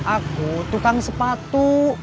aku tukang sepatu